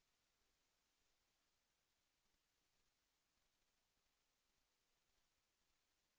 แสวได้ไงของเราก็เชียนนักอยู่ค่ะเป็นผู้ร่วมงานที่ดีมาก